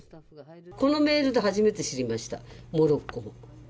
このメールで初めて知りました、モロッコも。